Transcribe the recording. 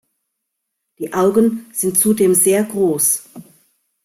Die Augen sind zudem sehr groß.